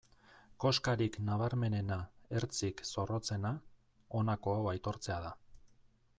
Koskarik nabarmenena, ertzik zorrotzena, honako hau aitortzea da.